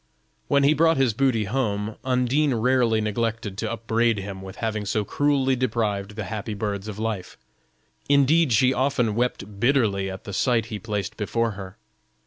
When he brought his booty home, Undine rarely neglected to upbraid him with having so cruelly deprived the happy birds of life; indeed she often wept bitterly at the sight he placed before her.